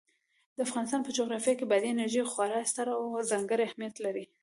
د افغانستان په جغرافیه کې بادي انرژي خورا ستر او ځانګړی اهمیت لري.